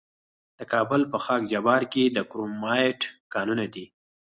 د کابل په خاک جبار کې د کرومایټ کانونه دي.